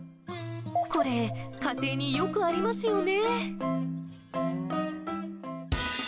これ、家庭によくありますよね。